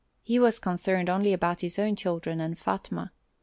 He was concerned only about his own children and Fatma.